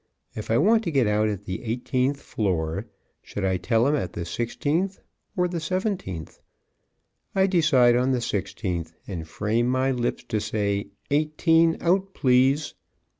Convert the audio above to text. If I want to get out at the eighteenth floor, should I tell him at the sixteenth or the seventeenth? I decide on the sixteenth and frame my lips to say, "Eighteen out, please."